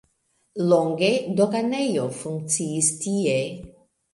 Longe doganejo funkciis tie.